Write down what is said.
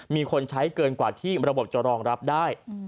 มีคนใช้เกินกว่าที่ระบบจะรองรับได้